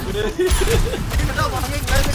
Mumekaa wapi?